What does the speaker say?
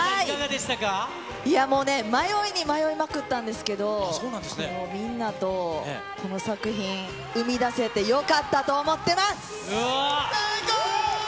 いやもう、迷いに迷いまくったんですけど、みんなと、この作品、生み出せてよかったと思って最高！